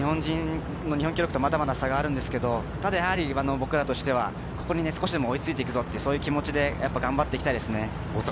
日本記録とまだまだ差があるんですけども僕らとしてはここに少しでも追いついていくぞという気持ちで頑張っていきたいですね。